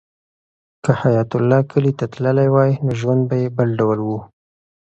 که حیات الله کلي ته تللی وای نو ژوند به یې بل ډول و.